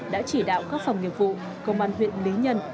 đã chỉ đạo các phòng nghiệp vụ công an huyện lý nhân